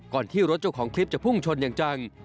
ที่รถเจ้าของคลิปจะพุ่งชนอย่างจัง